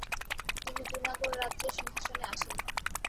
তিনি জুনাগড় রাজ্যের সিংহাসনে আসীন হন।